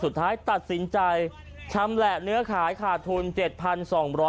สุดท้ายตัดสินใจชำแหละเนื้อขายขาดทุน๗๒๐๐บาท